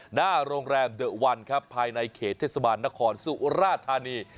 หน้าโรงแรมเดอะวันครับภายในเขตเทศบาลนครสุราธานี